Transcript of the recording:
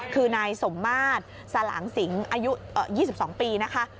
คือนายสมมาตรสลางสิงอายุ๒๒ปีนะคะ